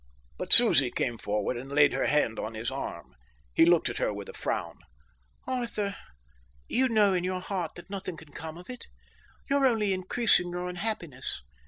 But Susie came forward and laid her hand on his arm. He looked at her with a frown. "Arthur, you know in your heart that nothing can come of it. You're only increasing your unhappiness.